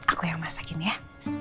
aku yang masakin ya